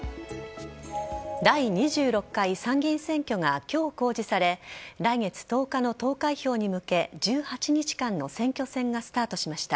第２６回参議院選挙が今日、公示され来月１０日の投開票に向け１８日間の選挙戦がスタートします。